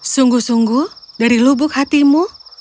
sungguh sungguh dari lubuk hatimu